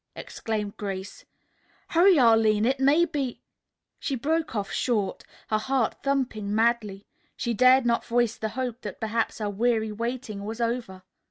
exclaimed Grace. "Hurry, Arline, it may be " She broke off short, her heart thumping madly. She dared not voice the hope that perhaps her weary waiting was over.